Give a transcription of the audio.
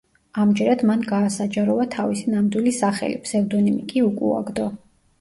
ამჯერად მან გაასაჯაროვა თავისი ნამდვილი სახელი, ფსევდონიმი კი უკუაგდო.